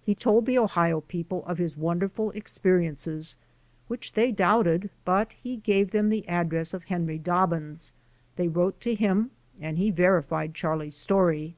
He told the Ohio people of his wonderful experiences, which they doubted, but he gave them the address of Henry Dobbins. They wrote to him and he verified Charlie's story.